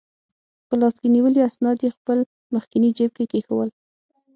په لاس کې نیولي اسناد یې خپل مخکني جیب کې کېښوول.